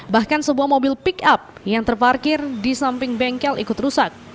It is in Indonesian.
bahkan sebuah mobil pick up yang terparkir di samping bengkel ikut rusak